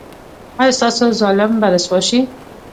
ایا ستاسو ظالم به رسوا شي؟